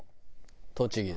栃木だ。